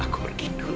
aku pergi dulu